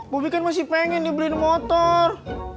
bobi kan masih pengen dibeliin motor